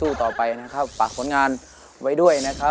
มึงโดมรถกว่าทางอย่างนี้เลยหรอ